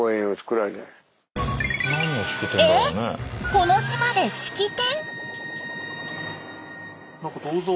この島で式典？